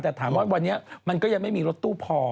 แต่ถามว่าวันนี้มันก็ยังไม่มีรถตู้พอ